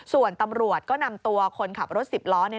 ส่วนตำรวจก็นำตัวคนขับรถ๑๐ล้อ